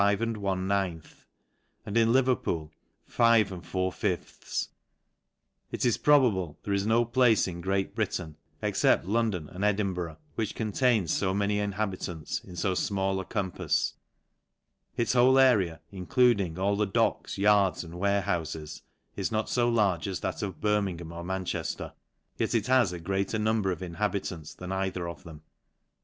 and in Le~ Wpeolf Si It xs probable, there is no place in 'jreat Britain^ except London and Edinburgh^ which :ont2ins fo many inhabitants in fo final] a compafs. ts whole area, including all the docks, yards, and tfarchoufes, is not fo large as that of Birmingham or Manchejier ; yet it has a greater number of inhabi :ants than either of them.